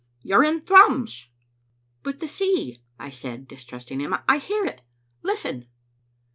You're in Thrums." "But the sea," I said, distrusting him. "I hear it. Listen!"